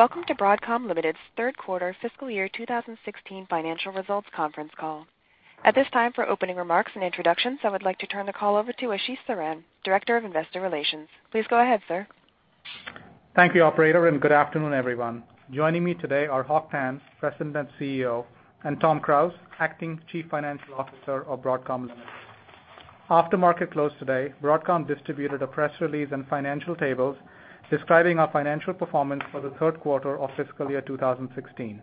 Welcome to Broadcom Limited's third quarter fiscal year 2016 financial results conference call. At this time, for opening remarks and introductions, I would like to turn the call over to Ashish Saran, Director of Investor Relations. Please go ahead, sir. Thank you, operator, and good afternoon, everyone. Joining me today are Hock Tan, President and CEO, and Tom Krause, Acting Chief Financial Officer of Broadcom Limited. After market close today, Broadcom distributed a press release and financial tables describing our financial performance for the third quarter of fiscal year 2016.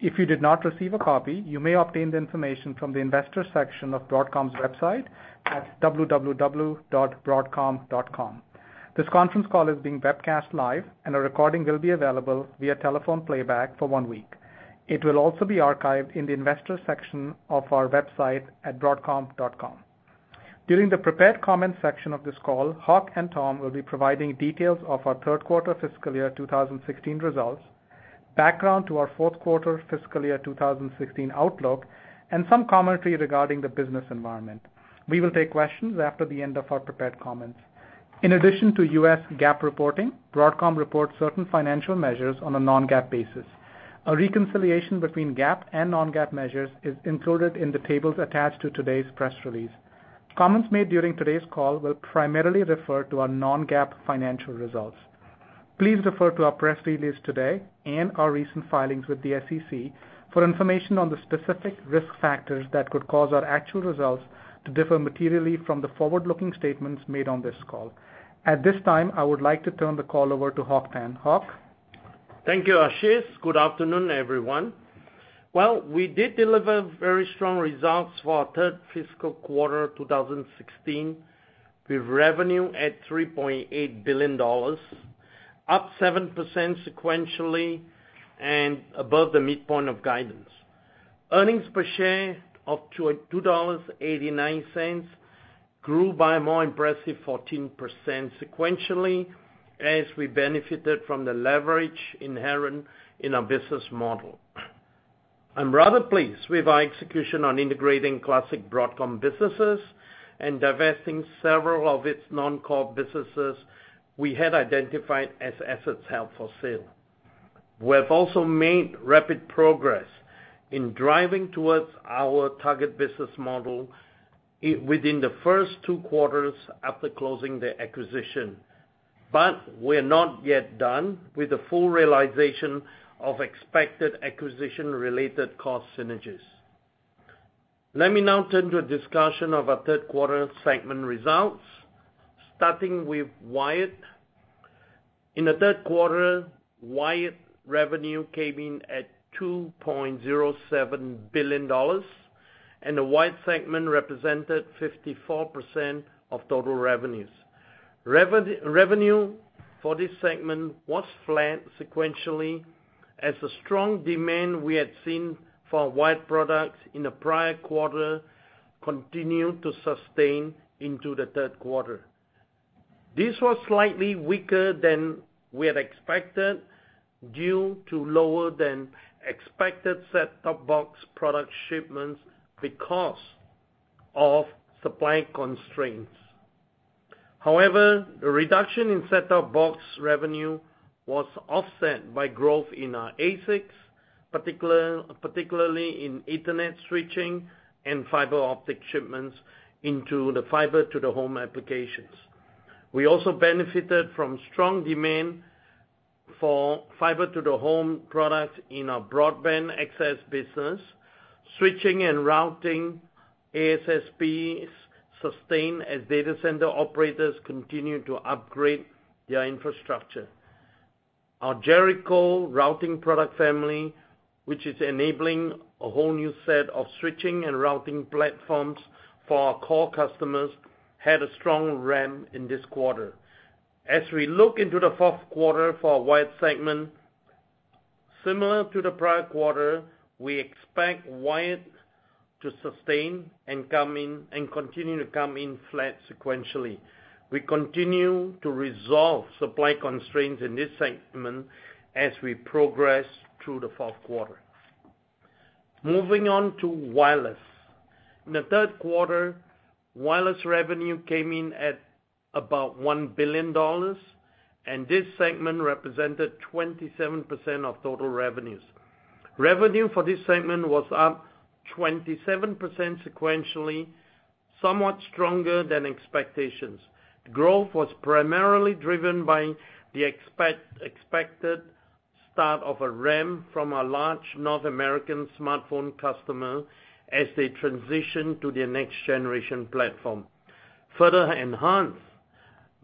If you did not receive a copy, you may obtain the information from the investor section of Broadcom's website at www.broadcom.com. This conference call is being webcast live and a recording will be available via telephone playback for one week. It will also be archived in the investors section of our website at broadcom.com. During the prepared comment section of this call, Hock and Tom will be providing details of our third quarter fiscal year 2016 results, background to our fourth quarter fiscal year 2016 outlook, and some commentary regarding the business environment. We will take questions after the end of our prepared comments. In addition to US GAAP reporting, Broadcom reports certain financial measures on a non-GAAP basis. A reconciliation between GAAP and non-GAAP measures is included in the tables attached to today's press release. Comments made during today's call will primarily refer to our non-GAAP financial results. Please refer to our press release today and our recent filings with the SEC for information on the specific risk factors that could cause our actual results to differ materially from the forward-looking statements made on this call. At this time, I would like to turn the call over to Hock Tan. Hock? Thank you, Ashish. Good afternoon, everyone. Well, we did deliver very strong results for our third fiscal quarter 2016, with revenue at $3.8 billion, up 7% sequentially and above the midpoint of guidance. Earnings per share of $2.89 grew by a more impressive 14% sequentially as we benefited from the leverage inherent in our business model. I'm rather pleased with our execution on integrating classic Broadcom businesses and divesting several of its non-core businesses we had identified as assets held for sale. We have also made rapid progress in driving towards our target business model within the first two quarters after closing the acquisition, but we're not yet done with the full realization of expected acquisition related cost synergies. Let me now turn to a discussion of our third quarter segment results, starting with wired. In the third quarter, wired revenue came in at $2.07 billion and the wired segment represented 54% of total revenues. Revenue for this segment was flat sequentially as the strong demand we had seen for wired products in the prior quarter continued to sustain into the third quarter. This was slightly weaker than we had expected due to lower than expected set-top box product shipments because of supply constraints. However, the reduction in set-top box revenue was offset by growth in our ASICs, particularly in Ethernet switching and fiber optic shipments into the fiber to the home applications. We also benefited from strong demand for fiber to the home products in our broadband access business. Switching and routing ASSPs sustained as data center operators continue to upgrade their infrastructure. Our Jericho routing product family, which is enabling a whole new set of switching and routing platforms for our core customers, had a strong ramp in this quarter. As we look into the fourth quarter for our wired segment, similar to the prior quarter, we expect wired to sustain and continue to come in flat sequentially. We continue to resolve supply constraints in this segment as we progress through the fourth quarter. Moving on to wireless. In the third quarter, wireless revenue came in at about $1 billion and this segment represented 27% of total revenues. Revenue for this segment was up 27% sequentially, somewhat stronger than expectations. Growth was primarily driven by the expected start of a ramp from a large North American smartphone customer as they transition to their next generation platform, further enhanced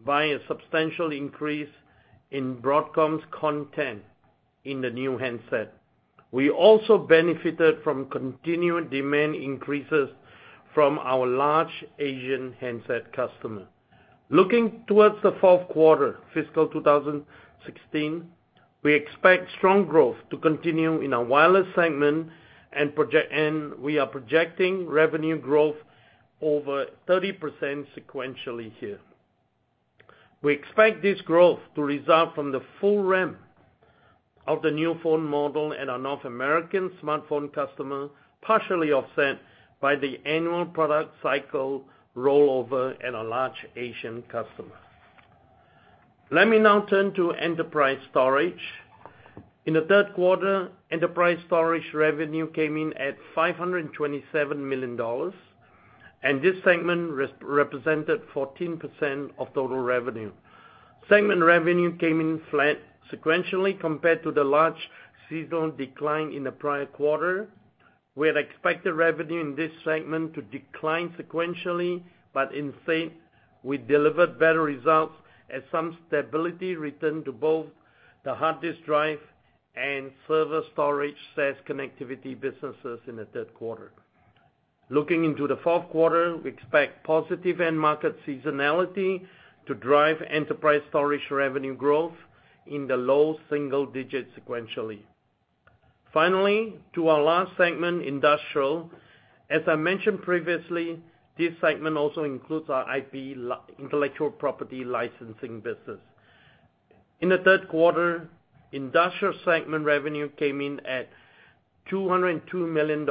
by a substantial increase in Broadcom's content in the new handset. We also benefited from continued demand increases from our large Asian handset customer. Looking towards the fourth quarter fiscal 2016, we expect strong growth to continue in our wireless segment, and we are projecting revenue growth over 30% sequentially here. We expect this growth to result from the full ramp of the new phone model and our North American smartphone customer, partially offset by the annual product cycle rollover and a large Asian customer. Let me now turn to enterprise storage. In the third quarter, enterprise storage revenue came in at $527 million, and this segment represented 14% of total revenue. Segment revenue came in flat sequentially compared to the large seasonal decline in the prior quarter. We had expected revenue in this segment to decline sequentially, but instead, we delivered better results as some stability returned to both the hard disk drive and server storage SAS connectivity businesses in the third quarter. Looking into the fourth quarter, we expect positive end market seasonality to drive enterprise storage revenue growth in the low single digits sequentially. Finally, to our last segment, industrial. As I mentioned previously, this segment also includes our IP, intellectual property licensing business. In the third quarter, industrial segment revenue came in at $202 million,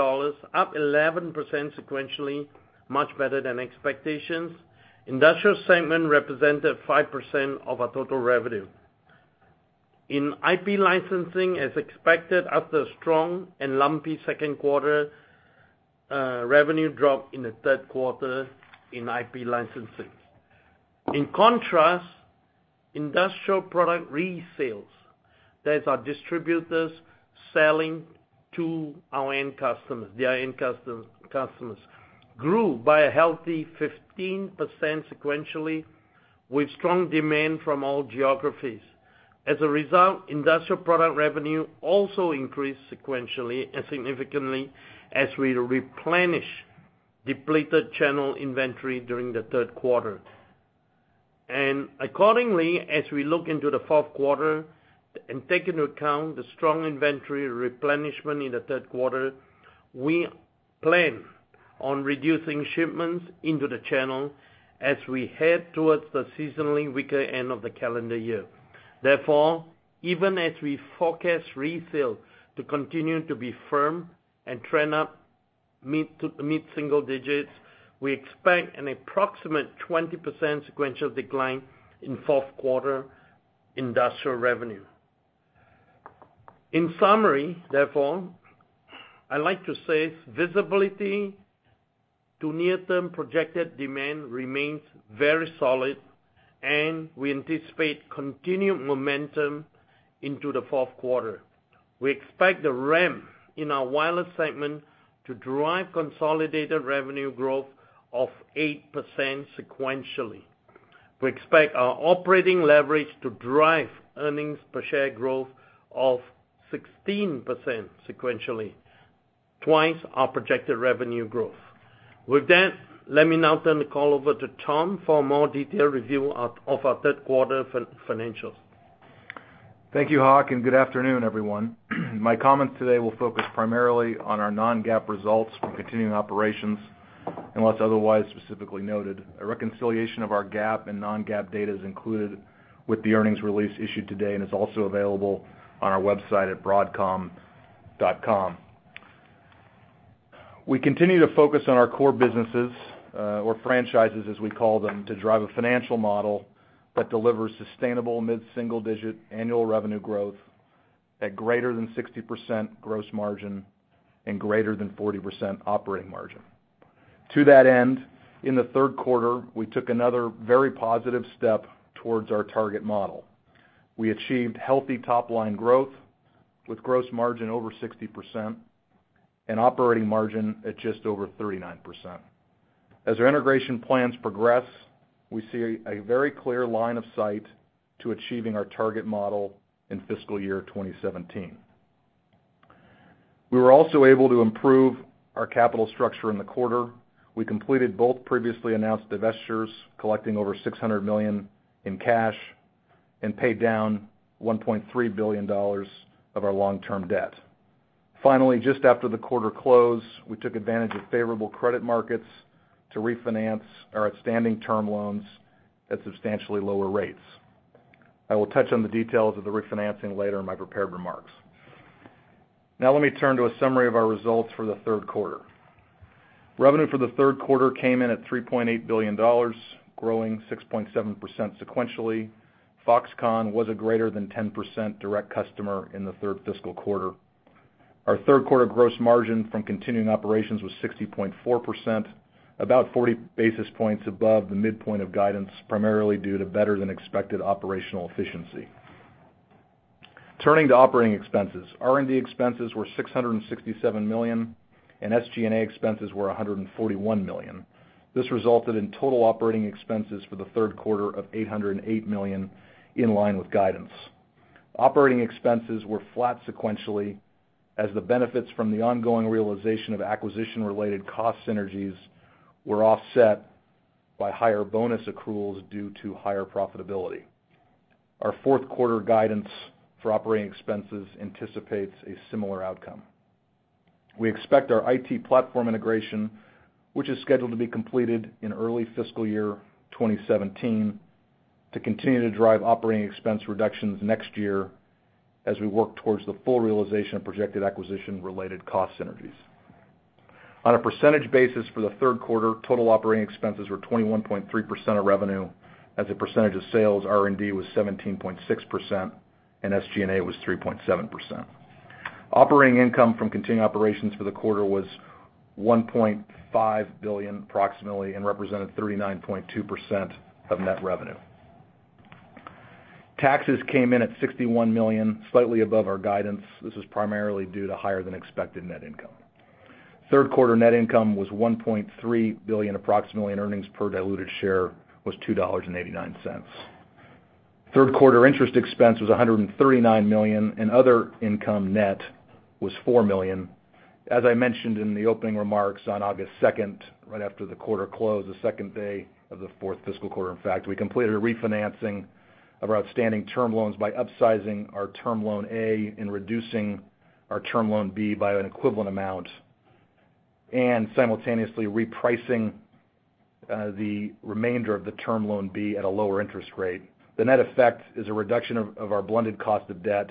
up 11% sequentially, much better than expectations. Industrial segment represented 5% of our total revenue. In IP licensing, as expected, after a strong and lumpy second quarter, revenue dropped in the third quarter in IP licensing. In contrast, industrial product resales, that's our distributors selling to our end customers, their end customers, grew by a healthy 15% sequentially with strong demand from all geographies. As a result, industrial product revenue also increased sequentially and significantly as we replenish depleted channel inventory during the third quarter. Accordingly, as we look into the fourth quarter and take into account the strong inventory replenishment in the third quarter, we plan on reducing shipments into the channel as we head towards the seasonally weaker end of the calendar year. Therefore, even as we forecast resale to continue to be firm and trend up mid-single digits, we expect an approximate 20% sequential decline in fourth quarter industrial revenue. In summary, therefore, I'd like to say visibility to near-term projected demand remains very solid, and we anticipate continued momentum into the fourth quarter. We expect the ramp in our wireless segment to drive consolidated revenue growth of 8% sequentially. We expect our operating leverage to drive earnings per share growth of 16% sequentially, twice our projected revenue growth. With that, let me now turn the call over to Tom for a more detailed review of our third quarter financials. Thank you, Hock, and good afternoon, everyone. My comments today will focus primarily on our non-GAAP results from continuing operations, unless otherwise specifically noted. A reconciliation of our GAAP and non-GAAP data is included with the earnings release issued today and is also available on our website at broadcom.com. We continue to focus on our core businesses or franchises, as we call them, to drive a financial model that delivers sustainable mid-single-digit annual revenue growth at greater than 60% gross margin and greater than 40% operating margin. To that end, in the third quarter, we took another very positive step towards our target model. We achieved healthy top-line growth with gross margin over 60% and operating margin at just over 39%. As our integration plans progress, we see a very clear line of sight to achieving our target model in fiscal year 2017. We were also able to improve our capital structure in the quarter. We completed both previously announced divestitures, collecting over $600 million in cash and paid down $1.3 billion of our long-term debt. Finally, just after the quarter close, we took advantage of favorable credit markets to refinance our outstanding term loans at substantially lower rates. I will touch on the details of the refinancing later in my prepared remarks. Now let me turn to a summary of our results for the third quarter. Revenue for the third quarter came in at $3.8 billion, growing 6.7% sequentially. Foxconn was a greater than 10% direct customer in the third fiscal quarter. Our third-quarter gross margin from continuing operations was 60.4%, about 40 basis points above the midpoint of guidance, primarily due to better-than-expected operational efficiency. Turning to operating expenses. R&D expenses were $667 million, and SG&A expenses were $141 million. This resulted in total operating expenses for the third quarter of $808 million, in line with guidance. Operating expenses were flat sequentially as the benefits from the ongoing realization of acquisition-related cost synergies were offset by higher bonus accruals due to higher profitability. Our fourth quarter guidance for operating expenses anticipates a similar outcome. We expect our IT platform integration, which is scheduled to be completed in early fiscal year 2017, to continue to drive operating expense reductions next year as we work towards the full realization of projected acquisition-related cost synergies. On a percentage basis for the third quarter, total operating expenses were 21.3% of revenue. As a percentage of sales, R&D was 17.6%, and SG&A was 3.7%. Operating income from continuing operations for the quarter was $1.5 billion approximately and represented 39.2% of net revenue. Taxes came in at $61 million, slightly above our guidance. This was primarily due to higher than expected net income. Third quarter net income was $1.3 billion approximately, and earnings per diluted share was $2.89. Third quarter interest expense was $139 million, and other income net was $4 million. As I mentioned in the opening remarks on August 2nd, right after the quarter close, the second day of the fourth fiscal quarter, in fact, we completed a refinancing of our outstanding term loans by upsizing our term loan A and reducing our term loan B by an equivalent amount, and simultaneously repricing the remainder of the term loan B at a lower interest rate. The net effect is a reduction of our blended cost of debt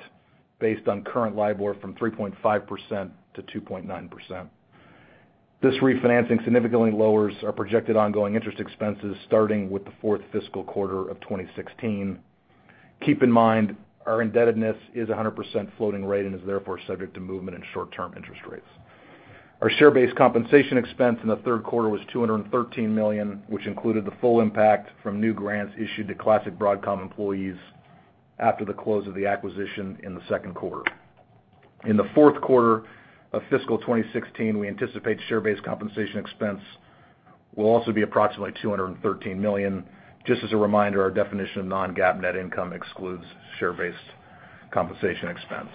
based on current LIBOR from 3.5% to 2.9%. This refinancing significantly lowers our projected ongoing interest expenses starting with the fourth fiscal quarter of 2016. Keep in mind, our indebtedness is 100% floating rate and is therefore subject to movement in short-term interest rates. Our share-based compensation expense in the third quarter was $213 million, which included the full impact from new grants issued to classic Broadcom employees after the close of the acquisition in the second quarter. In the fourth quarter of fiscal 2016, we anticipate share-based compensation expense will also be approximately $213 million. Just as a reminder, our definition of non-GAAP net income excludes share-based compensation expense.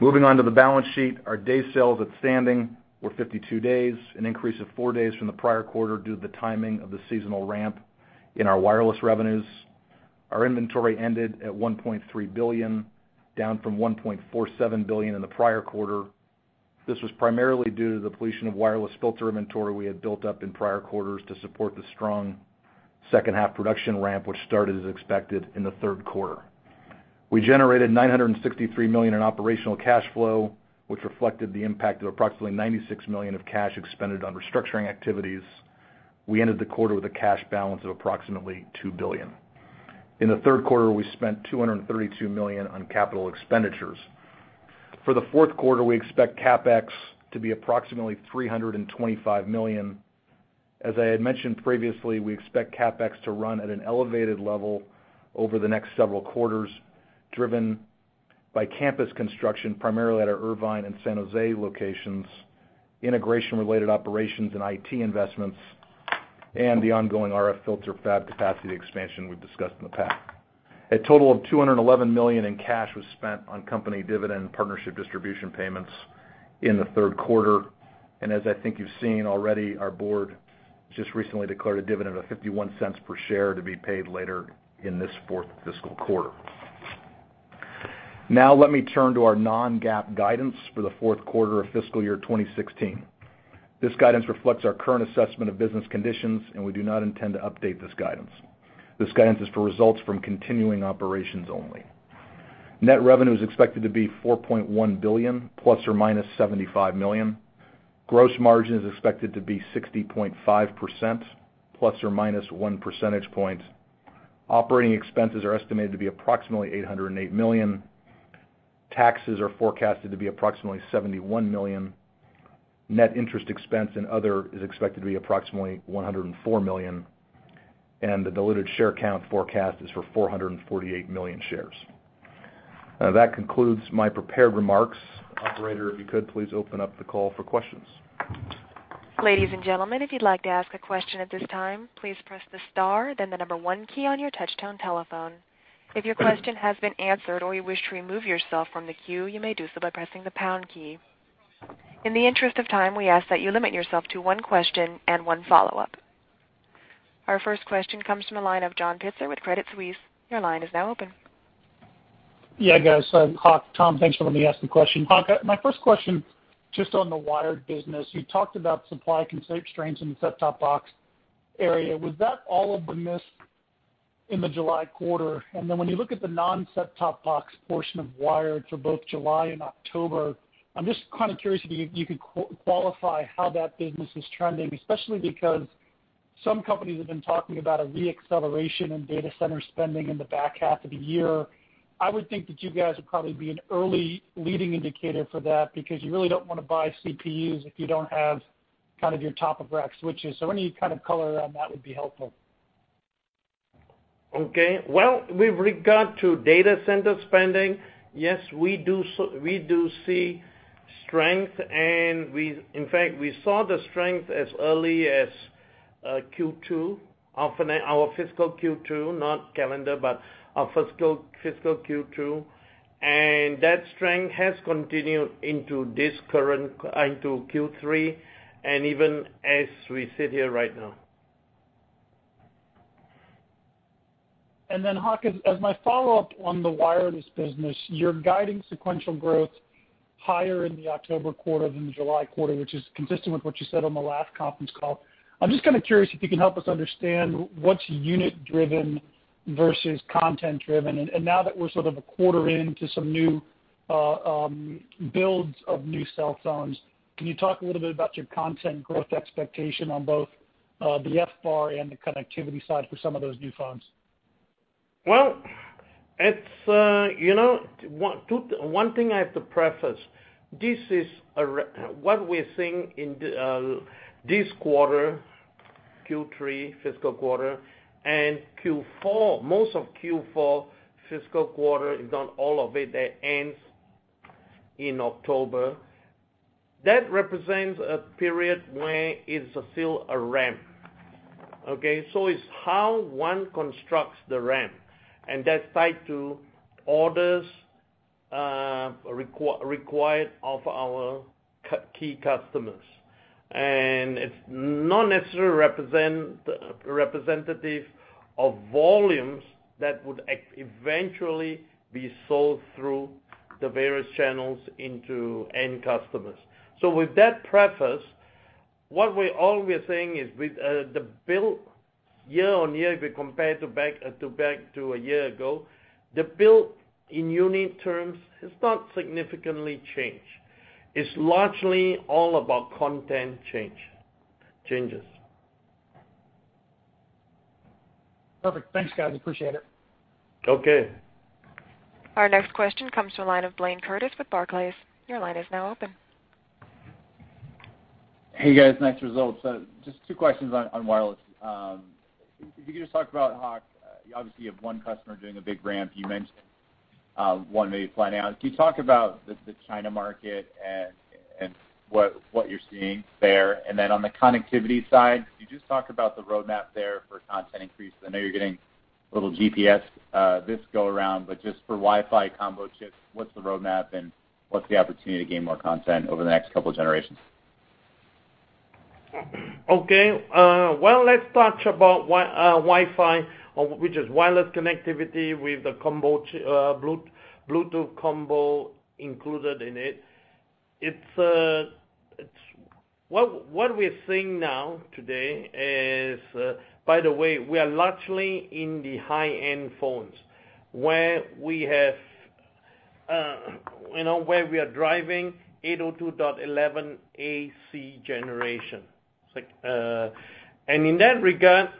Moving on to the balance sheet. Our day sales outstanding were 52 days, an increase of four days from the prior quarter due to the timing of the seasonal ramp in our wireless revenues. Our inventory ended at $1.3 billion, down from $1.47 billion in the prior quarter. This was primarily due to the depletion of wireless filter inventory we had built up in prior quarters to support the strong second-half production ramp, which started as expected in the third quarter. We generated $963 million in operational cash flow, which reflected the impact of approximately $96 million of cash expended on restructuring activities. We ended the quarter with a cash balance of approximately $2 billion. In the third quarter, we spent $232 million on capital expenditures. For the fourth quarter, we expect CapEx to be approximately $325 million. As I had mentioned previously, we expect CapEx to run at an elevated level over the next several quarters, driven by campus construction, primarily at our Irvine and San Jose locations, integration-related operations and IT investments, and the ongoing RF filter fab capacity expansion we've discussed in the past. A total of $211 million in cash was spent on company dividend partnership distribution payments in the third quarter. As I think you've seen already, our board just recently declared a dividend of $0.51 per share to be paid later in this fourth fiscal quarter. Now let me turn to our non-GAAP guidance for the fourth quarter of FY 2016. This guidance reflects our current assessment of business conditions. We do not intend to update this guidance. This guidance is for results from continuing operations only. Net revenue is expected to be $4.1 billion, plus or minus $75 million. Gross margin is expected to be 60.5%, plus or minus one percentage point. Operating expenses are estimated to be approximately $808 million. Taxes are forecasted to be approximately $71 million. Net interest expense and other is expected to be approximately $104 million, and the diluted share count forecast is for 448 million shares. That concludes my prepared remarks. Operator, if you could please open up the call for questions. Ladies and gentlemen, if you'd like to ask a question at this time, please press the star, then the number 1 key on your touchtone telephone. If your question has been answered or you wish to remove yourself from the queue, you may do so by pressing the pound key. In the interest of time, we ask that you limit yourself to 1 question and 1 follow-up. Our first question comes from the line of John Pitzer with Credit Suisse. Your line is now open. Yeah, guys. Hock. Tom, thanks for letting me ask the question. Hock, my first question, just on the wired business, you talked about supply constraints in the set-top box area. Was that all of the miss in the July quarter? When you look at the non-set-top box portion of wired for both July and October, I'm just kind of curious if you could qualify how that business is trending, especially because some companies have been talking about a re-acceleration in data center spending in the back half of the year. I would think that you guys would probably be an early leading indicator for that because you really don't want to buy CPUs if you don't have kind of your top-of-rack switches. Any kind of color around that would be helpful. Okay. Well, with regard to data center spending, yes, we do see strength. In fact, we saw the strength as early as Q2, our fiscal Q2, not calendar, but our fiscal Q2. That strength has continued into Q3 and even as we sit here right now. Hock, as my follow-up on the wireless business, you're guiding sequential growth higher in the October quarter than the July quarter, which is consistent with what you said on the last conference call. I'm just curious if you can help us understand what's unit driven versus content driven. Now that we're sort of a quarter into some new builds of new cell phones, can you talk a little bit about your content growth expectation on both the FBAR and the connectivity side for some of those new phones? Well, one thing I have to preface, what we're seeing in this quarter, Q3 fiscal quarter and most of Q4 fiscal quarter is not all of it that ends in October. That represents a period where it's still a ramp. Okay, it's how one constructs the ramp, and that's tied to orders required of our key customers. It's not necessarily representative of volumes that would eventually be sold through the various channels into end customers. With that preface, all we're saying is with the build year-on-year, if we compare to back to a year ago, the build in unit terms has not significantly changed. It's largely all about content changes. Perfect. Thanks, guys, appreciate it. Okay. Our next question comes from the line of Blayne Curtis with Barclays. Your line is now open. Hey, guys, nice results. Just two questions on wireless. If you could just talk about, Hock, you obviously have one customer doing a big ramp. You mentioned one maybe [flying out]. Can you talk about the China market and what you're seeing there? Then on the connectivity side, could you just talk about the roadmap there for content increase? I know you're getting a little GPS, this go around, but just for Wi-Fi combo chips, what's the roadmap and what's the opportunity to gain more content over the next couple of generations? Okay. Well, let's talk about Wi-Fi, which is wireless connectivity with the Bluetooth combo included in it. What we're seeing now today is, by the way, we are largely in the high-end phones where we are driving 802.11ac generation. In that regard,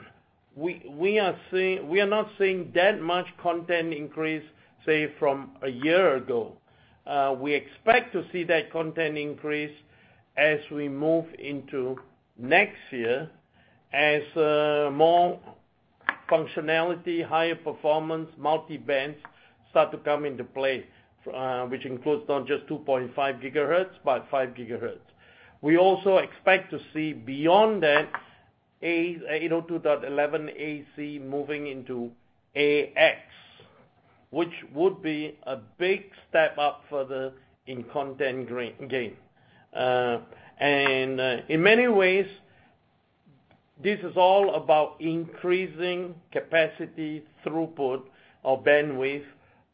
we are not seeing that much content increase, say, from a year ago. We expect to see that content increase as we move into next year as more functionality, higher performance, multi-bands start to come into play, which includes not just 2.5 gigahertz, but 5 gigahertz. We also expect to see beyond that 802.11ac moving into AX, which would be a big step up further in content gain. In many ways, this is all about increasing capacity throughput of bandwidth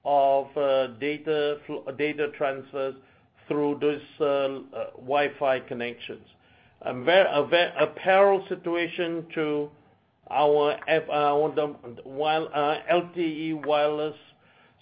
of data transfers through these Wi-Fi connections. A parallel situation to our LTE wireless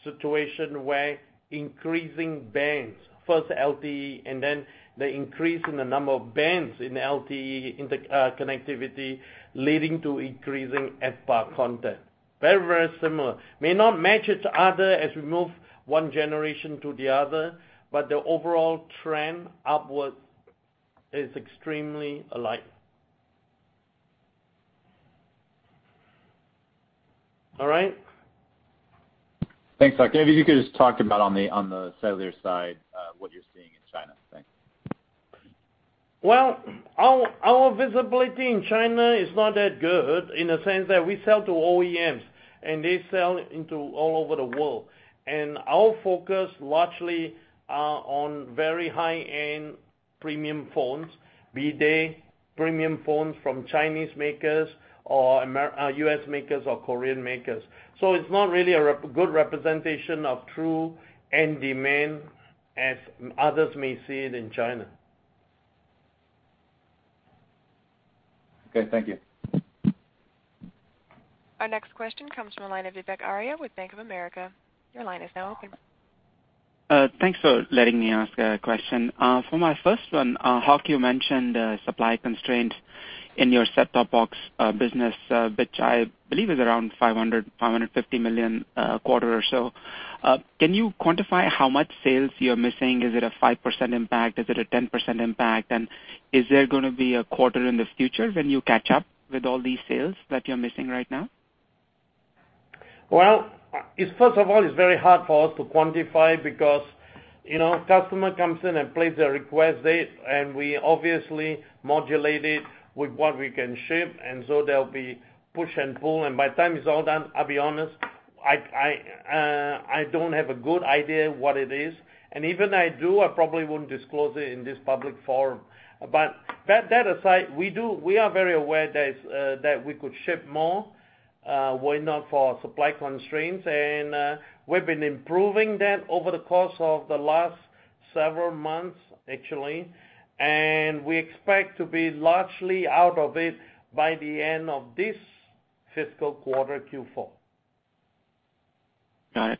situation where increasing bands, first LTE, and then the increase in the number of bands in LTE in the connectivity leading to increasing FBAR content. Very similar. May not match each other as we move one generation to the other, but the overall trend upwards is extremely alike. All right. Thanks, Hock. Maybe if you could just talk about on the cellular side, what you're seeing in China. Thanks. Well, our visibility in China is not that good in the sense that we sell to OEMs. They sell into all over the world. Our focus largely are on very high-end premium phones, be they premium phones from Chinese makers or U.S. makers or Korean makers. It's not really a good representation of true end demand as others may see it in China. Okay, thank you. Our next question comes from the line of Vivek Arya with Bank of America. Your line is now open. Thanks for letting me ask a question. For my first one, Hock, you mentioned supply constraint in your set-top box business, which I believe is around $500 million, $550 million a quarter or so. Can you quantify how much sales you're missing? Is it a 5% impact? Is it a 10% impact? Is there going to be a quarter in the future when you catch up with all these sales that you're missing right now? First of all, it's very hard for us to quantify because customer comes in and place their request date. We obviously modulate it with what we can ship, so there will be push and pull. By the time it's all done, I'll be honest I don't have a good idea what it is. Even if I do, I probably wouldn't disclose it in this public forum. That aside, we are very aware that we could ship more were it not for supply constraints. We've been improving that over the course of the last several months, actually, and we expect to be largely out of it by the end of this fiscal quarter Q4. Got it.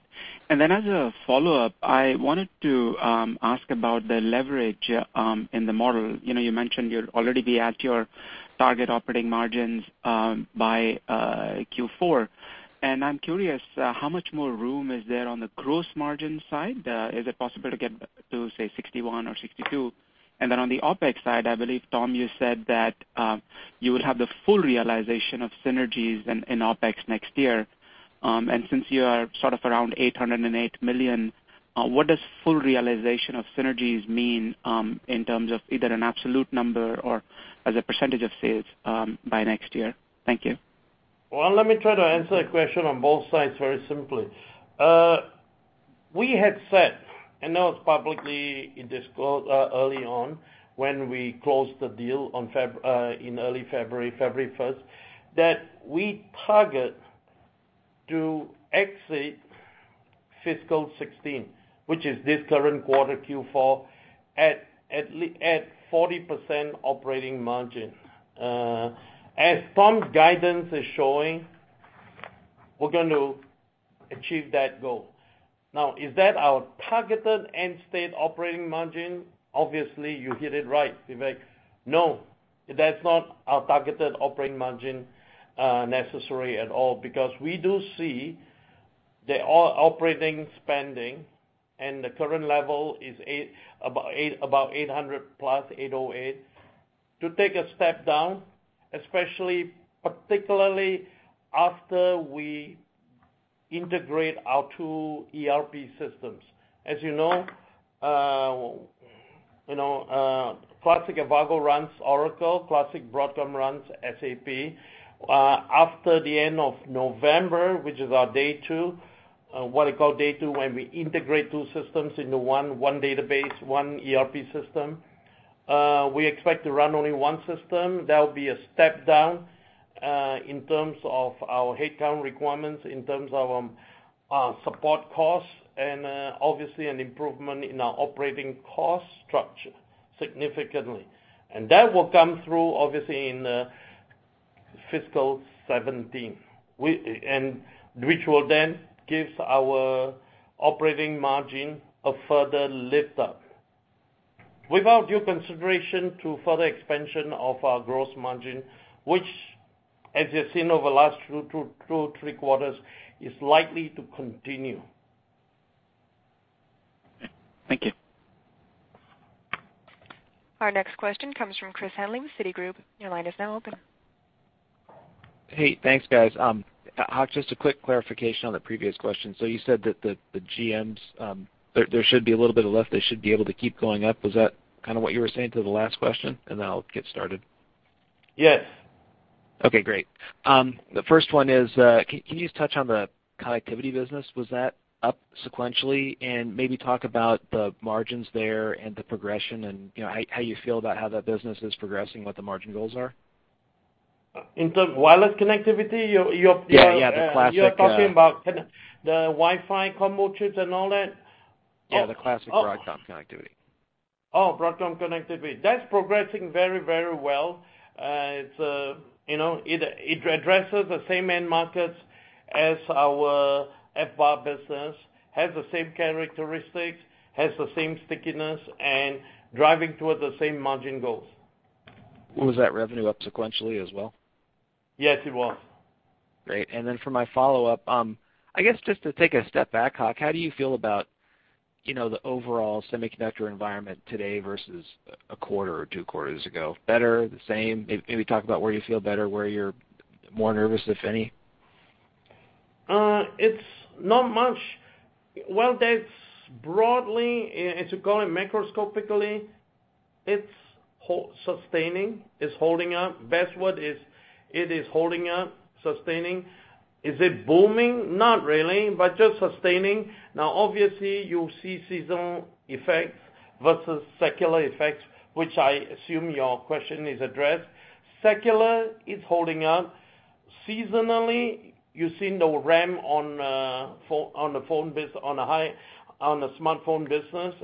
As a follow-up, I wanted to ask about the leverage in the model. You mentioned you'll already be at your target operating margins by Q4. I'm curious how much more room is there on the gross margin side? Is it possible to get to, say, 61% or 62%? On the OpEx side, I believe, Tom Krause, you said that you would have the full realization of synergies in OpEx next year. Since you are sort of around $808 million, what does full realization of synergies mean, in terms of either an absolute number or as a percentage of sales by next year? Thank you. Let me try to answer that question on both sides very simply. We had said, I know it's publicly disclosed early on when we closed the deal in early February 1st, that we target to exit fiscal 2016, which is this current quarter Q4, at 40% operating margin. As Tom Krause's guidance is showing, we're going to achieve that goal. Is that our targeted end-state operating margin? Obviously, you hit it right, Vivek Arya. That's not our targeted operating margin necessarily at all, because we do see the operating spending and the current level is about $800 plus, $808, to take a step down, especially, particularly after we integrate our two ERP systems. As you know, Classic Avago runs Oracle, Classic Broadcom runs SAP. After the end of November, which is our day two, what I call day two, when we integrate two systems into one database, one ERP system, we expect to run only one system. That will be a step down, in terms of our headcount requirements, in terms of our support costs, and obviously an improvement in our operating cost structure significantly. That will come through obviously in fiscal 2017, which will then give our operating margin a further lift up. Without due consideration to further expansion of our gross margin, which as you've seen over the last two, three quarters, is likely to continue. Thank you. Our next question comes from Chris Danely with Citigroup. Your line is now open. Hey, thanks, guys. Hock, just a quick clarification on the previous question. You said that the GMs, there should be a little bit of lift, they should be able to keep going up. Was that kind of what you were saying to the last question? Then I'll get started. Yes. Okay, great. The first one is, can you just touch on the connectivity business? Was that up sequentially? Maybe talk about the margins there and the progression and how you feel about how that business is progressing, what the margin goals are. In terms of wireless connectivity? Yeah. You're talking about the Wi-Fi combo chips and all that? Yeah, the classic Broadcom connectivity. Oh, Broadcom connectivity. That's progressing very well. It addresses the same end markets as our FBAR business, has the same characteristics, has the same stickiness, and driving towards the same margin goals. Was that revenue up sequentially as well? Yes, it was. Great. Then for my follow-up, I guess just to take a step back, Hock, how do you feel about the overall semiconductor environment today versus a quarter or two quarters ago? Better? The same? Maybe talk about where you feel better, where you're more nervous, if any. It's not much. Well, that's broadly, to call it microscopically, it's sustaining. It's holding up. Best word is it is holding up, sustaining. Is it booming? Not really, but just sustaining. Obviously, you see seasonal effects versus secular effects, which I assume your question is addressed. Secular is holding up. Seasonally, you've seen the ramp on the smartphone business,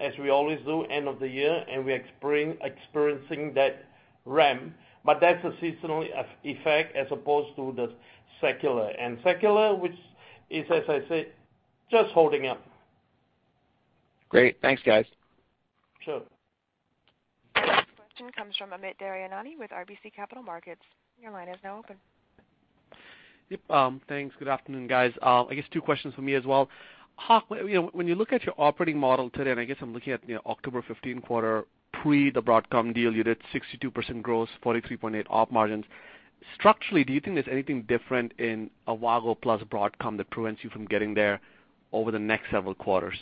as we always do, end of the year, and we're experiencing that ramp, but that's a seasonal effect as opposed to the secular. Secular, which is, as I said, just holding up. Great. Thanks, guys. Sure. Question comes from Amit Daryanani with RBC Capital Markets. Your line is now open. Yep. Thanks. Good afternoon, guys. I guess two questions from me as well. Hock, when you look at your operating model today, I guess I'm looking at October 15 quarter, pre the Broadcom deal, you did 62% gross, 43.8 op margins. Structurally, do you think there's anything different in Avago plus Broadcom that prevents you from getting there over the next several quarters?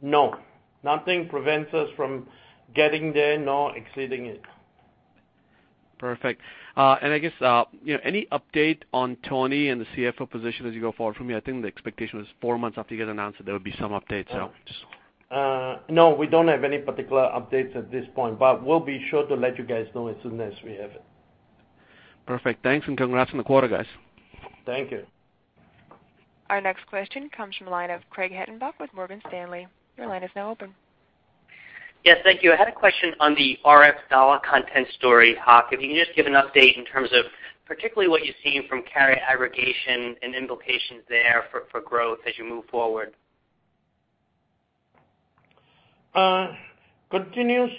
No. Nothing prevents us from getting there, nor exceeding it. Perfect. I guess, any update on Tony and the CFO position as you go forward from here? I think the expectation was four months after you get announced that there would be some update. No, we don't have any particular updates at this point, but we'll be sure to let you guys know as soon as we have it. Perfect. Thanks, and congrats on the quarter, guys. Thank you. Our next question comes from the line of Craig Hettenbach with Morgan Stanley. Your line is now open. Yes. Thank you. I had a question on the RF dollar content story, Hock. If you can just give an update in terms of particularly what you're seeing from carrier aggregation and implications there for growth as you move forward. Continues.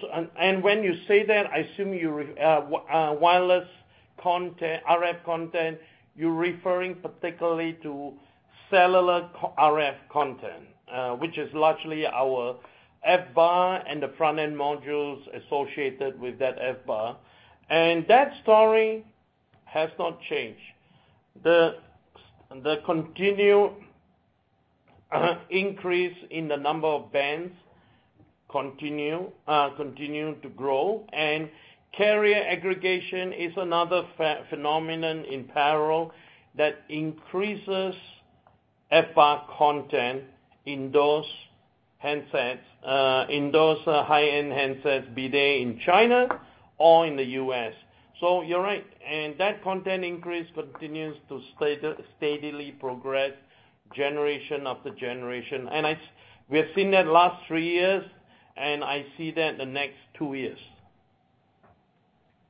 When you say that, I assume wireless content, RF content, you're referring particularly to cellular RF content, which is largely our FBAR and the front-end modules associated with that FBAR. That story has not changed. The continued increase in the number of bands continue to grow, and carrier aggregation is another phenomenon in parallel that increases FBAR content in those high-end handsets, be they in China or in the U.S. You're right, and that content increase continues to steadily progress generation after generation. We have seen that last three years, and I see that the next two years.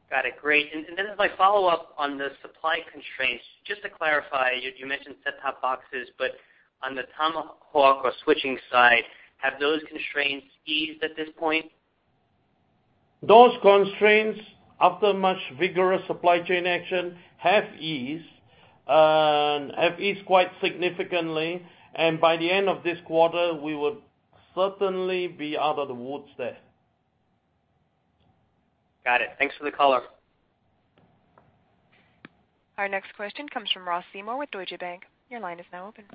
Got it. Great. Then as my follow-up on the supply constraints, just to clarify, you mentioned set-top boxes, but on the Tomahawk or switching side, have those constraints eased at this point? Those constraints, after much vigorous supply chain action, have eased, and have eased quite significantly. By the end of this quarter, we would certainly be out of the woods there. Got it. Thanks for the color. Our next question comes from Ross Seymore with Deutsche Bank. Your line is now open.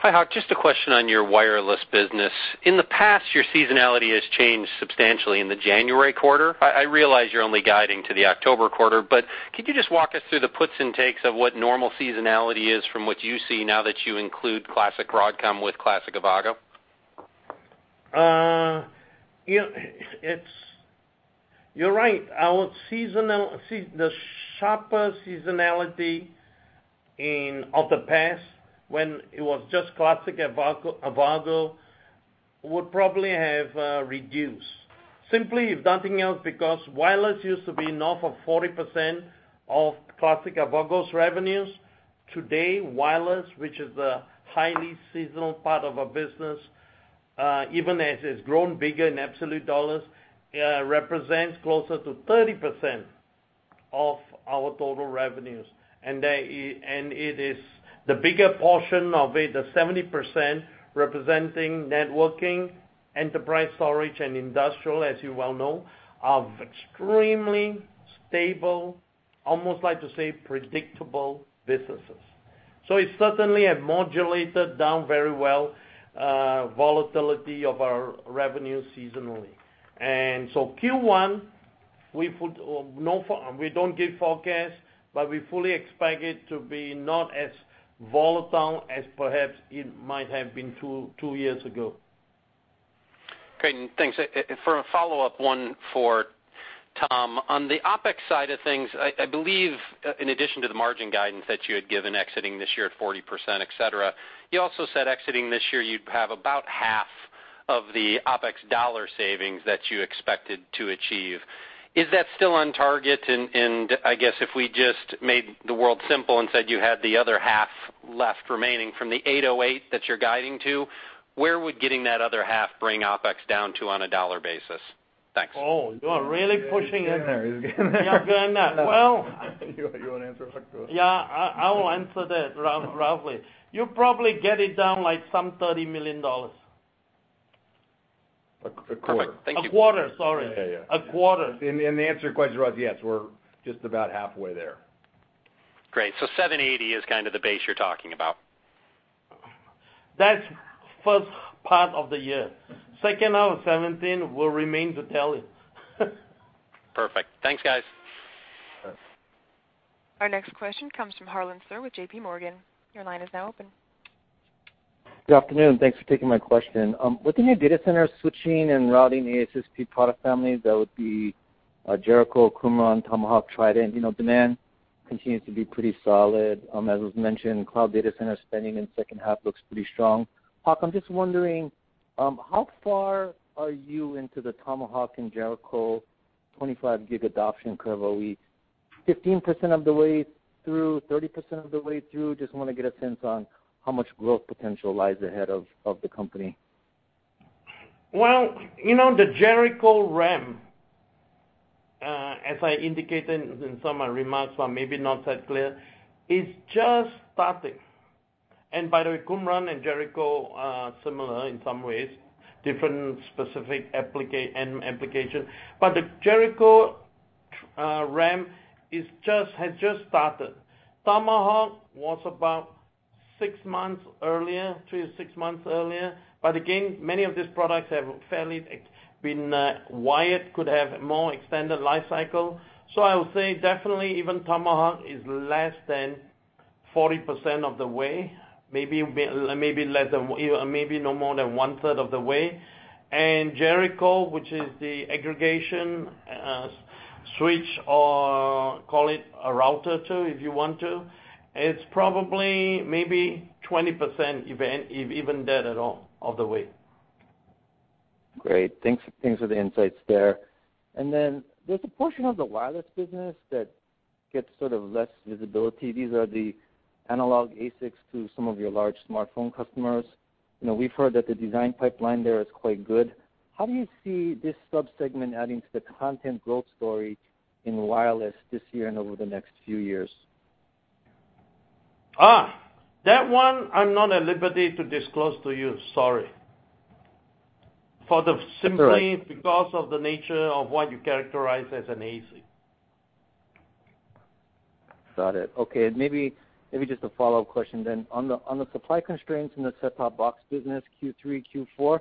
Hi, Hock. Just a question on your wireless business. In the past, your seasonality has changed substantially in the January quarter. I realize you're only guiding to the October quarter, but could you just walk us through the puts and takes of what normal seasonality is from what you see now that you include classic Broadcom with classic Avago? You're right. The sharper seasonality of the past when it was just classic Avago would probably have reduced. Simply, if nothing else, because wireless used to be north of 40% of classic Avago's revenues. Today, wireless, which is the highly seasonal part of our business, even as it's grown bigger in absolute dollars, represents closer to 30% of our total revenues. The bigger portion of it, the 70% representing networking, enterprise storage, and industrial, as you well know, are extremely stable, almost like to say predictable, businesses. It certainly has modulated down very well volatility of our revenue seasonally. Q1, we don't give forecast, but we fully expect it to be not as volatile as perhaps it might have been two years ago. Great, and thanks. For a follow-up one for Tom. On the OpEx side of things, I believe in addition to the margin guidance that you had given exiting this year at 40%, et cetera, you also said exiting this year, you'd have about half of the OpEx dollar savings that you expected to achieve. Is that still on target? I guess if we just made the world simple and said you had the other half left remaining from the $808 that you're guiding to, where would getting that other half bring OpEx down to on a dollar basis? Thanks. Oh, you are really pushing it. He's getting there. He's getting there. You are getting there. You want to answer, Hock, go ahead. Yeah, I will answer that roughly. You probably get it down like some $30 million. A quarter. Perfect. Thank you. A quarter, sorry. Yeah. A quarter. The answer quite direct, yes, we're just about halfway there. Great. 780 is kind of the base you're talking about? That's first part of the year. Second half of 2017 will remain to tell it. Perfect. Thanks, guys. Our next question comes from Harlan Sur with J.P. Morgan. Your line is now open. Good afternoon, thanks for taking my question. Within your data center switching and routing ASSP product families, that would be Jericho, Qumran, Tomahawk, Trident, demand continues to be pretty solid. As was mentioned, cloud data center spending in second half looks pretty strong. Hock, I'm just wondering, how far are you into the Tomahawk and Jericho 25 Gig adoption curve? Are we 15% of the way through, 30% of the way through? Just want to get a sense on how much growth potential lies ahead of the company. The Jericho ramp, as I indicated in some remarks, but maybe not that clear, is just starting. By the way, Qumran and Jericho are similar in some ways, different specific application. The Jericho ramp has just started. Tomahawk was about 6 months earlier, 3-6 months earlier. Again, many of these products have fairly been, [Wyatt] could have more extended life cycle. I would say definitely even Tomahawk is less than 40% of the way, maybe no more than one third of the way. Jericho, which is the aggregation switch, or call it a router too if you want to, it's probably maybe 20%, if even that at all, of the way. Great. Thanks for the insights there. Then there's a portion of the wireless business that gets sort of less visibility. These are the analog ASICs to some of your large smartphone customers. We've heard that the design pipeline there is quite good. How do you see this sub-segment adding to the content growth story in wireless this year and over the next few years? That one I'm not at liberty to disclose to you, sorry. All right. Simply because of the nature of what you characterize as an ASIC. Got it. Okay. Maybe just a follow-up question. On the supply constraints in the set-top box business, Q3, Q4,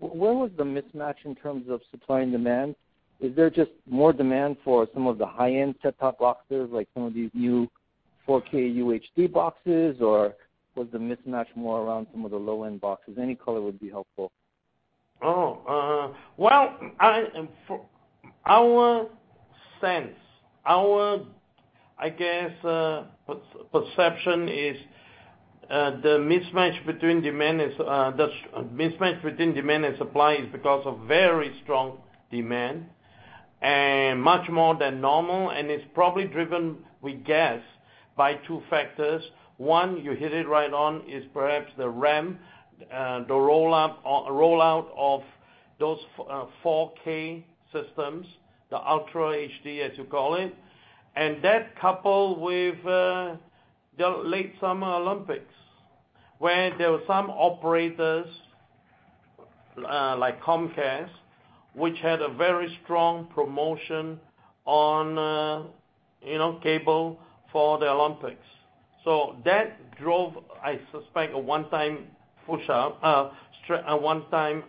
where was the mismatch in terms of supply and demand? Is there just more demand for some of the high-end set-top boxes, like some of these new 4K UHD boxes, or was the mismatch more around some of the low-end boxes? Any color would be helpful. Well, our sense, our perception is the mismatch between demand and supply is because of very strong demand and much more than normal, and it's probably driven, we guess, by two factors. One, you hit it right on, is perhaps the ramp, the rollout of those 4K systems, the Ultra HD, as you call it, and that coupled with the late summer Olympics, where there were some operators, like Comcast, which had a very strong promotion on cable for the Olympics. That drove, I suspect, a one-time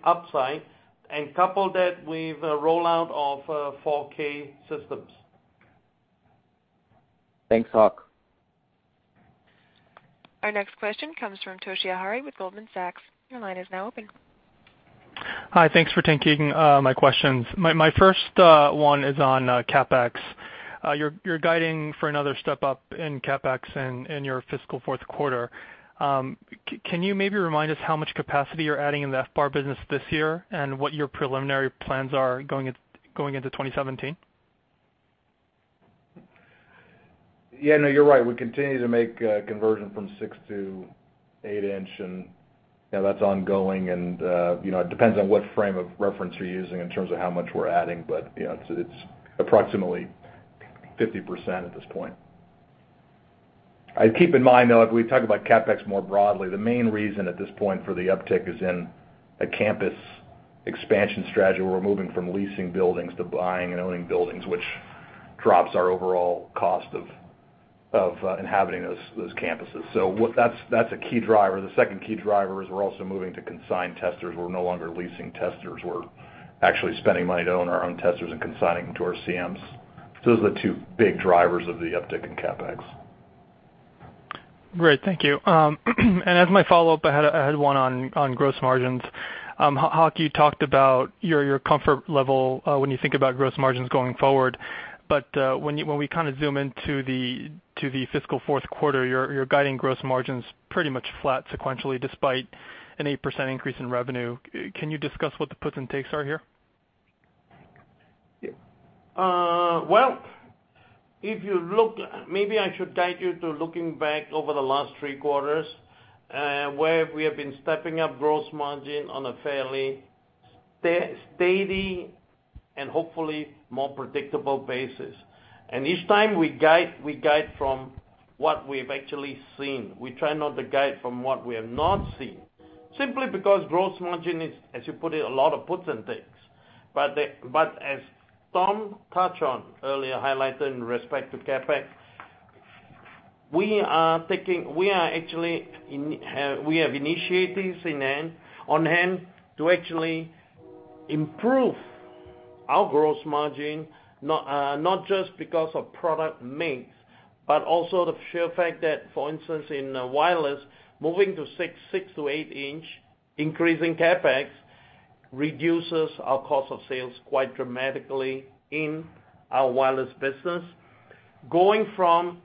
upside and couple that with the rollout of 4K systems. Thanks, Hock. Our next question comes from Toshiya Hari with Goldman Sachs. Your line is now open. Hi. Thanks for taking my questions. My first one is on CapEx. You're guiding for another step up in CapEx in your fiscal fourth quarter. Can you maybe remind us how much capacity you're adding in the FBAR business this year and what your preliminary plans are going into 2017? Yeah, no, you're right. We continue to make conversion from six to eight-inch, that's ongoing and it depends on what frame of reference you're using in terms of how much we're adding. It's approximately 50% at this point. Keep in mind, though, if we talk about CapEx more broadly, the main reason at this point for the uptick is in a campus expansion strategy, where we're moving from leasing buildings to buying and owning buildings, which drops our overall cost of inhabiting those campuses. That's a key driver. The second key driver is we're also moving to consigned testers. We're no longer leasing testers. We're actually spending money to own our own testers and consigning them to our CMs. Those are the two big drivers of the uptick in CapEx. Great. Thank you. As my follow-up, I had one on gross margins. Hock, you talked about your comfort level when you think about gross margins going forward. When we kind of zoom into the fiscal fourth quarter, you're guiding gross margins pretty much flat sequentially despite an 8% increase in revenue. Can you discuss what the puts and takes are here? Well, maybe I should guide you to looking back over the last three quarters, where we have been stepping up gross margin on a fairly steady and hopefully more predictable basis. Each time we guide, we guide from what we've actually seen. We try not to guide from what we have not seen, simply because gross margin is, as you put it, a lot of puts and takes. As Tom touched on earlier, highlighted in respect to CapEx, we have initiatives on hand to actually improve our gross margin, not just because of product mix, but also the sheer fact that, for instance, in wireless, moving to six to eight inch, increasing CapEx reduces our cost of sales quite dramatically in our wireless business. Going from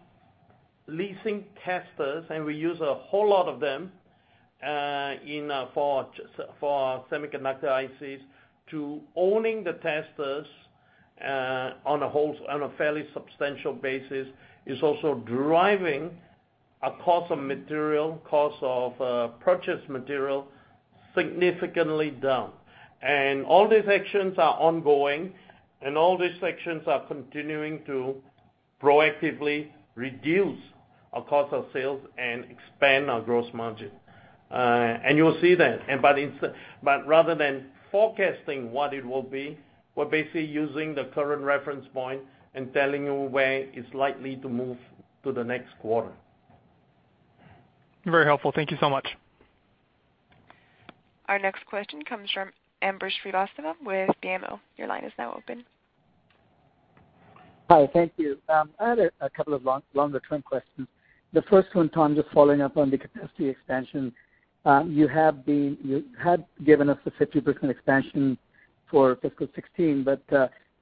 leasing testers, and we use a whole lot of them for our semiconductor ICs, to owning the testers on a fairly substantial basis, is also driving our cost of purchase material significantly down. All these actions are ongoing, all these actions are continuing to proactively reduce our cost of sales and expand our gross margin. You will see that. Rather than forecasting what it will be, we're basically using the current reference point and telling you where it's likely to move to the next quarter. Very helpful. Thank you so much. Our next question comes from Ambrish Srivastava with BMO. Your line is now open. Hi, thank you. I had a couple of longer-term questions. The first one, Tom, just following up on the capacity expansion. You had given us a 50% expansion for FY 2016,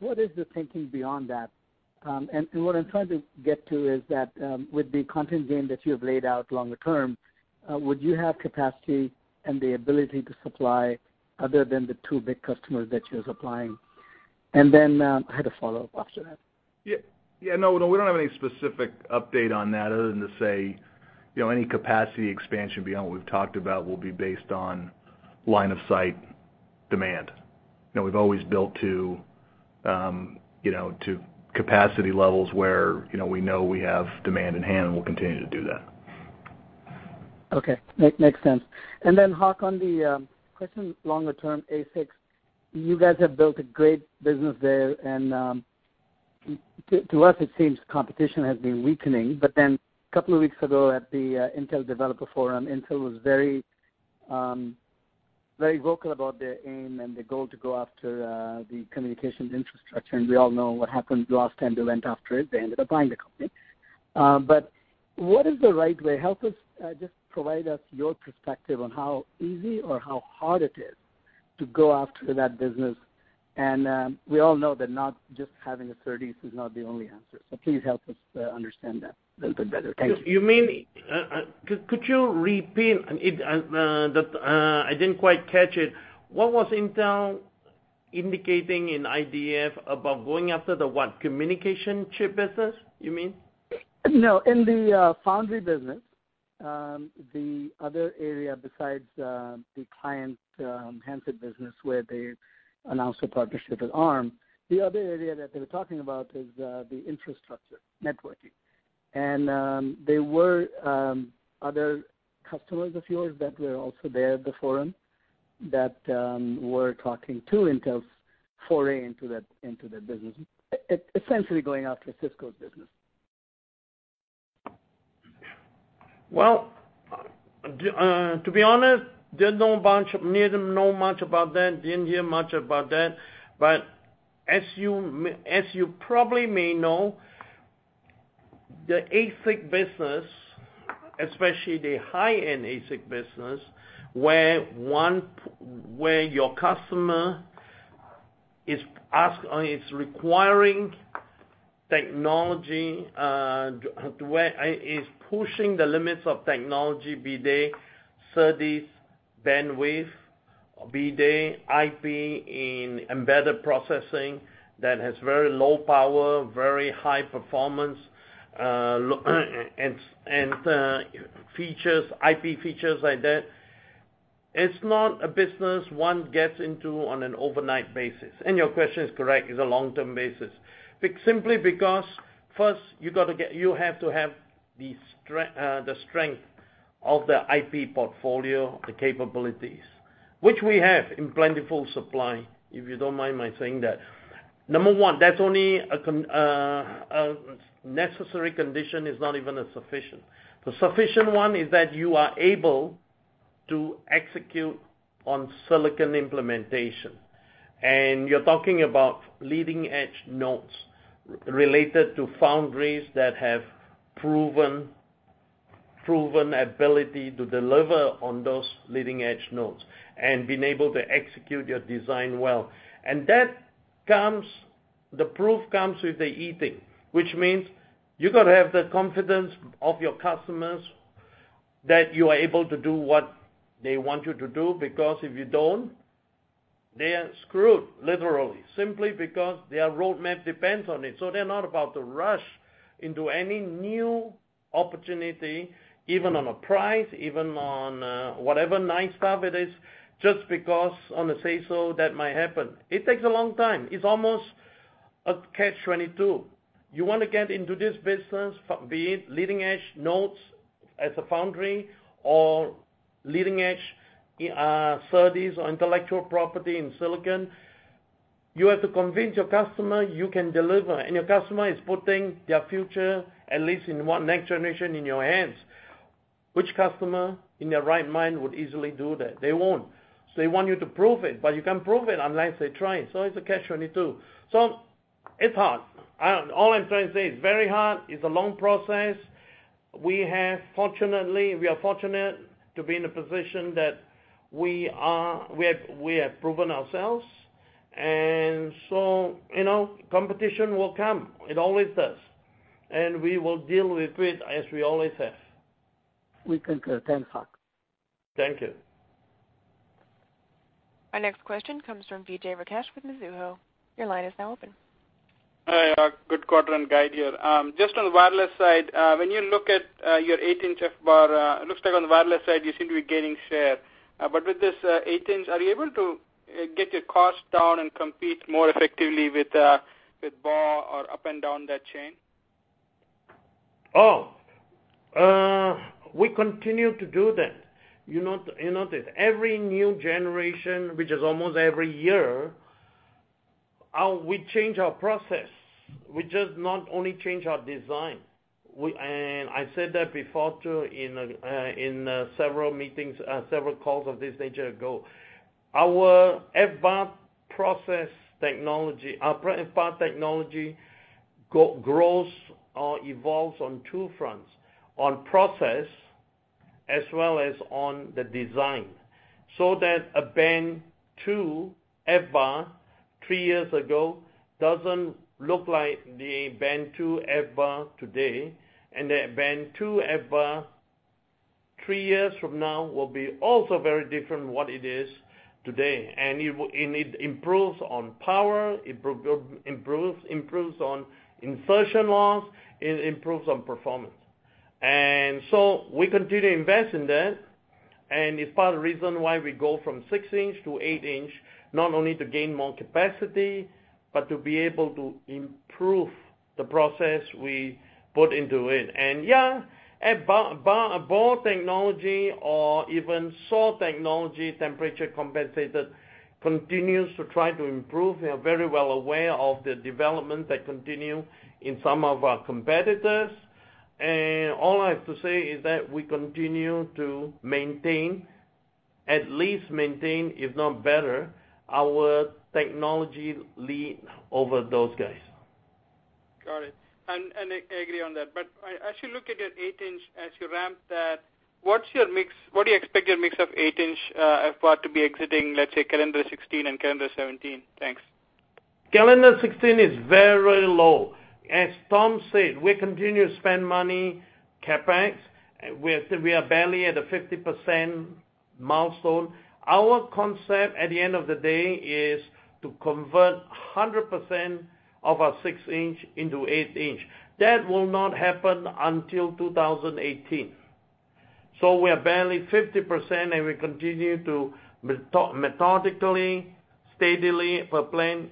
what is the thinking beyond that? What I'm trying to get to is that, with the content game that you have laid out longer term, would you have capacity and the ability to supply other than the two big customers that you're supplying? Then I had a follow-up after that. No, we don't have any specific update on that other than to say, any capacity expansion beyond what we've talked about will be based on line of sight demand. We've always built to capacity levels where we know we have demand in hand, and we'll continue to do that. Makes sense. Hock, on the question longer term ASIC, you guys have built a great business there, and to us it seems competition has been weakening. A couple of weeks ago at the Intel Developer Forum, Intel was very vocal about their aim and their goal to go after the communications infrastructure. We all know what happened last time they went after it, they ended up buying the company. What is the right way? Just provide us your perspective on how easy or how hard it is to go after that business. We all know that not just having a SerDes is not the only answer. Please help us understand that a little bit better. Thank you. Could you repeat? I didn't quite catch it. What was Intel indicating in IDF about going after the what? Communication chip business, you mean? In the foundry business, the other area besides the client handset business where they announced a partnership with Arm. The other area that they were talking about is the infrastructure, networking. There were other customers of yours that were also there at the forum that were talking to Intel's foray into the business. Essentially going after Cisco's business. Well, to be honest, didn't hear much about that. As you probably may know, the ASIC business, especially the high-end ASIC business, where your customer is requiring technology, is pushing the limits of technology, be they SerDes bandwidth, be they IP in embedded processing that has very low power, very high performance, and IP features like that. It's not a business one gets into on an overnight basis. Your question is correct, it's a long-term basis. Simply because first you have to have the strength of the IP portfolio, the capabilities, which we have in plentiful supply, if you don't mind my saying that. Number one, that's only a necessary condition, it's not even a sufficient. The sufficient one is that you are able to execute on silicon implementation, you're talking about leading-edge nodes related to foundries that have proven ability to deliver on those leading-edge nodes and been able to execute your design well. The proof comes with the eating, which means you got to have the confidence of your customers that you are able to do what they want you to do, because if you don't, they are screwed, literally, simply because their roadmap depends on it. They're not about to rush into any new opportunity, even on a price, even on whatever nice stuff it is, just because on a say so that might happen. It takes a long time. It's almost a catch-22. You want to get into this business, be it leading-edge nodes as a foundry or leading-edge SerDes or intellectual property in silicon. You have to convince your customer you can deliver, your customer is putting their future, at least in one next generation, in your hands. Which customer in their right mind would easily do that? They won't. They want you to prove it, you can't prove it unless they try it. It's a catch-22. It's hard. All I'm trying to say, it's very hard. It's a long process. We are fortunate to be in a position that we have proven ourselves, competition will come. It always does. We will deal with it as we always have. We concur. Thanks, Hock. Thank you. Our next question comes from Vijay Rakesh with Mizuho. Your line is now open. Hi, good quarter and guide here. Just on the wireless side, when you look at your FBAR, it looks like on the wireless side, you seem to be gaining share. With this FBAR, are you able to get your cost down and compete more effectively with BAW or up and down that chain? We continue to do that. You note that every new generation, which is almost every year, we change our process. We just not only change our design. I said that before, too, in several meetings, several calls of this nature ago. Our FBAR process technology, our FBAR technology grows or evolves on two fronts, on process as well as on the design, so that a Band II FBAR three years ago doesn't look like the Band II FBAR today, and that Band II FBAR three years from now will be also very different than what it is today. It improves on power, it improves on insertion loss, it improves on performance. We continue to invest in that, and it's part of the reason why we go from six-inch to eight-inch, not only to gain more capacity, but to be able to improve the process we put into it. Yeah, BAW technology or even SAW technology, temperature-compensated, continues to try to improve. We are very well aware of the development that continue in some of our competitors. All I have to say is that we continue to maintain, at least maintain, if not better, our technology lead over those guys. Got it. I agree on that. As you look at your eight-inch, as you ramp that, what do you expect your mix of eight-inch FBAR to be exiting, let's say, calendar 2016 and calendar 2017? Thanks. Calendar 2016 is very low. As Tom said, we continue to spend money, CapEx. We are barely at a 50% milestone. Our concept, at the end of the day, is to convert 100% of our six-inch into eight-inch. That will not happen until 2018. We are barely 50%, and we continue to methodically, steadily per plan,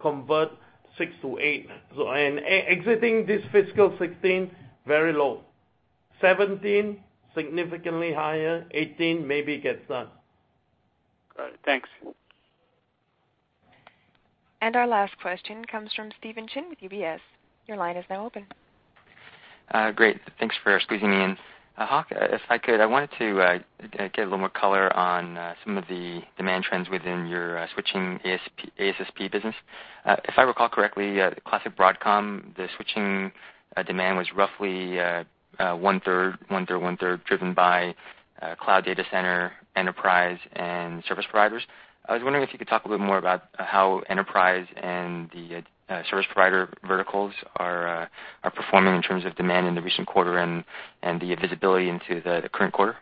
convert six to eight. Exiting this fiscal 2016, very low. 2017, significantly higher. 2018, maybe gets done. Got it. Thanks. Our last question comes from Stephen Chin with UBS. Your line is now open. Great. Thanks for squeezing me in. Hock, if I could, I wanted to get a little more color on some of the demand trends within your switching ASSP business. If I recall correctly, classic Broadcom, the switching demand was roughly one-third, driven by cloud data center, enterprise, and service providers. I was wondering if you could talk a little more about how enterprise and the service provider verticals are performing in terms of demand in the recent quarter and the visibility into the current quarter.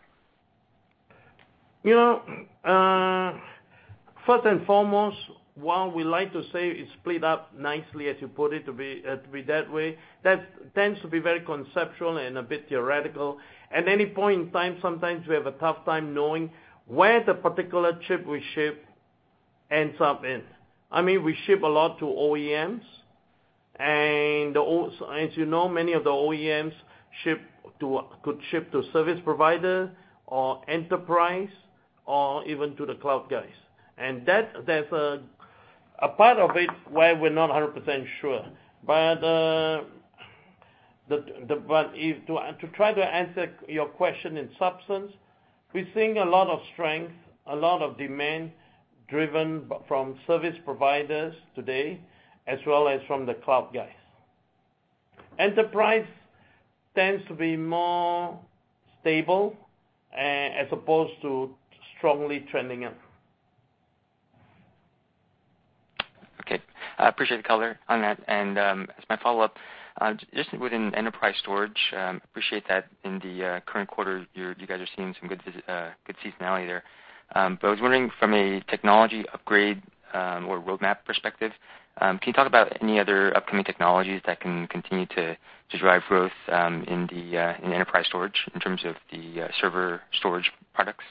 First and foremost, while we like to say it's split up nicely, as you put it, to be that way, that tends to be very conceptual and a bit theoretical. At any point in time, sometimes we have a tough time knowing where the particular chip we ship ends up in. We ship a lot to OEMs, as you know, many of the OEMs could ship to service provider or enterprise or even to the cloud guys. That's a part of it where we're not 100% sure. To try to answer your question in substance, we're seeing a lot of strength, a lot of demand driven from service providers today, as well as from the cloud guys. Enterprise tends to be more stable as opposed to strongly trending up. Okay. I appreciate the color on that. As my follow-up, just within enterprise storage, appreciate that in the current quarter, you guys are seeing some good seasonality there. I was wondering from a technology upgrade or roadmap perspective, can you talk about any other upcoming technologies that can continue to drive growth in enterprise storage in terms of the server storage products?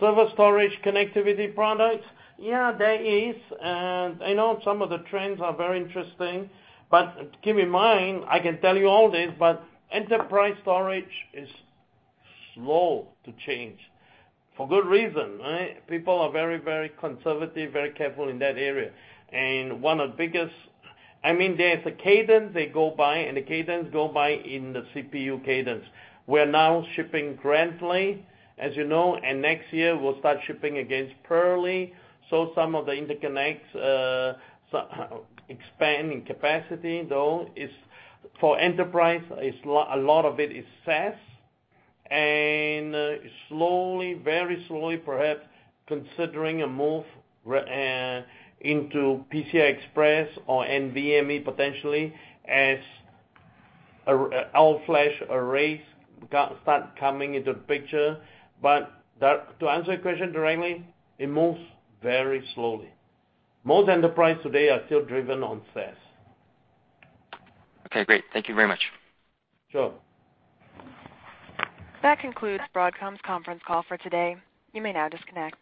Server storage connectivity products? Yeah, there is. I know some of the trends are very interesting, but keep in mind, I can tell you all this, but enterprise storage is slow to change. For good reason, right? People are very conservative, very careful in that area. There's a cadence they go by in the CPU cadence. We're now shipping Grantley, as you know, next year we'll start shipping against Purley. Some of the interconnects expanding capacity, though, for enterprise, a lot of it is SAS. Slowly, very slowly, perhaps considering a move into PCI Express or NVMe potentially as all-flash arrays start coming into the picture. To answer your question directly, it moves very slowly. Most enterprise today are still driven on SAS. Okay, great. Thank you very much. Sure. That concludes Broadcom's conference call for today. You may now disconnect.